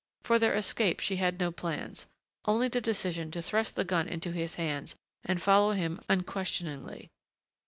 For their escape she had no plans, only the decision to thrust the gun into his hands and follow him unquestioningly